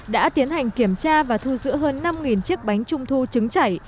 đã tiến hành kiểm tra và thu giữ hơn năm chiếc bánh trung thu trứng chảy